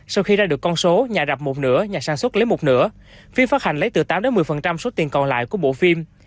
sau khi ra được con số nhà rạp một nửa nhà sản xuất lấy một nửa phim phát hành lấy từ tám một mươi số tiền còn lại của bộ phim